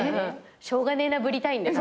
しょうがねえなぶりたいんだよ。